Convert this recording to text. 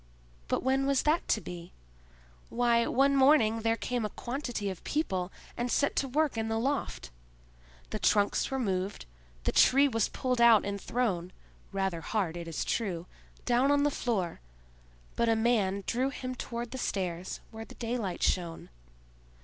But when was that to be? Why, one morning there came a quantity of people and set to work in the loft. The trunks were moved, the tree was pulled out and thrown—rather hard, it is true—down on the floor, but a man drew him toward the stairs, where the daylight shone.